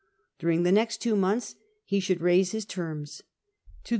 During AixS Cha the next two months he should raise his terms, pdie.